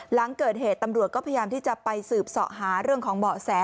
หลังเกิดเหตุตำรวจก็พยายามที่จะไปสืบเสาะหาเรื่องของเบาะแส